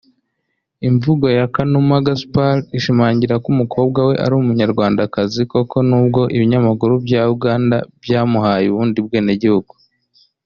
Imvugo ya Kanuma Gaspard ishimangira ko umukobwa we ari Umunyarwandakazi koko nubwo ibinyamakuru bya Uganda byamuhaye ubundi bwenegihugu